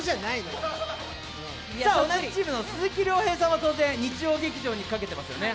同じチームの鈴木亮平さんは当然勝つと思ってますよね？